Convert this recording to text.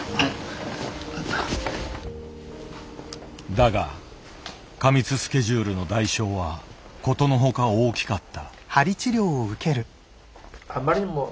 だが過密スケジュールの代償はことのほか大きかった。